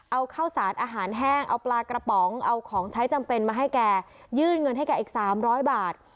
เอาข้าวสารอาหารแห้งเอาปลากระป๋องเอาของใช้จำเป็นมาให้แกยื่นเงินให้แกอีกสามร้อยบาท